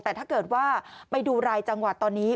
แต่ถ้าเกิดว่าไปดูรายจังหวัดตอนนี้